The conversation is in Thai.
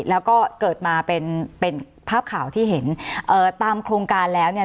แล้วก็เกิดมาเป็นเป็นภาพข่าวที่เห็นเอ่อตามโครงการแล้วเนี่ย